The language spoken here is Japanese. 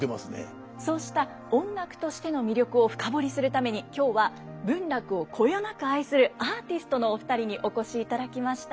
そうした音楽としての魅力を深掘りするために今日は文楽をこよなく愛するアーティストのお二人にお越しいただきました。